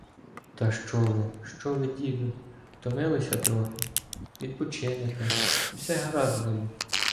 — Та що ви? Що ви, діду?! Втомилися трохи, відпочинете — і все гаразд буде.